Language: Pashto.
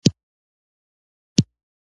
خط په مخ د صنم راغى